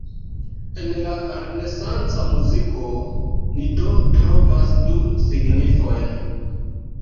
En la renesanca muziko ni do trovas du signifojn.